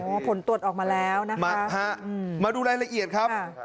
ผลตรวจออกมาแล้วนะคะมาดูรายละเอียดครับ